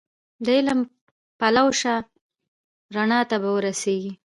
د علم پلوی شه رڼا ته به ورسېږې